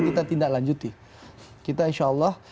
kita tindak lanjuti kita insya allah